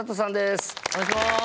お願いします。